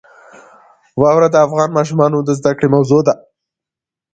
واوره د افغان ماشومانو د زده کړې موضوع ده.